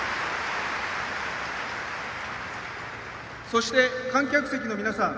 そして、観客席の皆さん